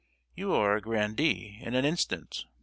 You are a grandee in an instant!